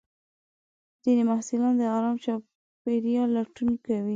ځینې محصلین د ارام چاپېریال لټون کوي.